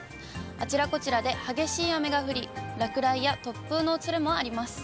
あちらこちらで激しい雨が降り、落雷や突風のおそれもあります。